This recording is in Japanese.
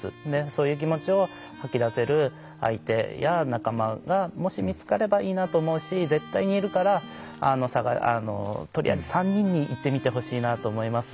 そういう気持ちを吐き出せる相手や仲間がもし見つかればいいなと思うし絶対に言えるからとりあえず３人に言ってみてほしいなと思います。